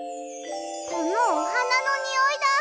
このおはなのにおいだ！